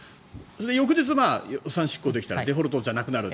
翌日、予算執行できたらデフォルトじゃなくなる。